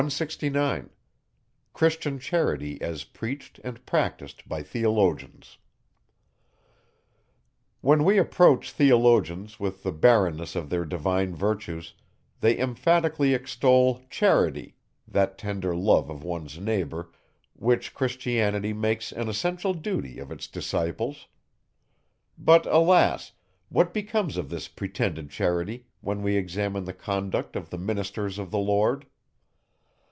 When we reproach theologians with the barrenness of their divine virtues, they emphatically extol charity, that tender love of one's neighbour, which Christianity makes an essential duty of its disciples. But, alas! what becomes of this pretended charity, when we examine the conduct of the ministers of the Lord?